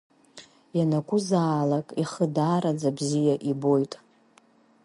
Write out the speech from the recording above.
Ианакәызаалак ихы даараӡа бзиа ибоит.